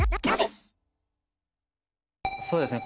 そうですね